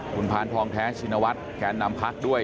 คุณพานทองแท้ชินวัฒน์แก่นำพักด้วย